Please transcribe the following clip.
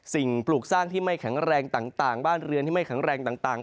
สิ่งปลูกสร้างที่ไม่แข็งแรงต่างบ้านเรือนที่ไม่แข็งแรงต่าง